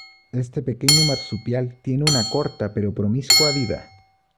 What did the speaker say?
Este pequeño marsupial tiene una corta pero promiscua vida.